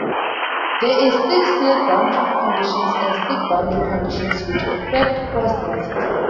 There is stick-slip boundary conditions and stick boundary conditions which effect force density.